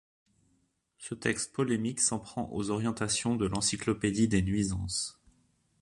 Ce texte polémique s'en prend aux orientations de l'Encyclopédie des Nuisances.